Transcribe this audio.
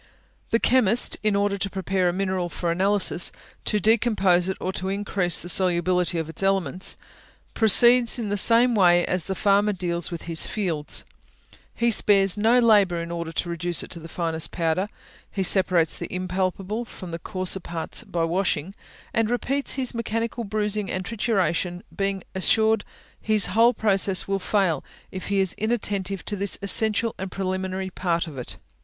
The chemist, in order to prepare a mineral for analysis, to decompose it, or to increase the solubility of its elements, proceeds in the same way as the farmer deals with his fields he spares no labour in order to reduce it to the finest powder; he separates the impalpable from the coarser parts by washing, and repeats his mechanical bruising and trituration, being assured his whole process will fail if he is inattentive to this essential and preliminary part of it.